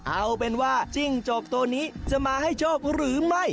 เอาเป็นว่าจิ้งจกตัวนี้จะมาให้โชคหรือไม่